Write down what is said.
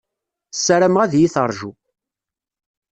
Ssarameɣ ad iyi-teṛju.